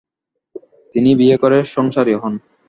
তিনি বিয়ে করে সংসারী হন।